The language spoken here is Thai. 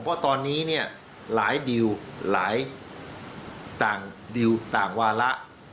เพราะตอนนี้เนี่ยหลายดิวหลายต่างดิวต่างวาระ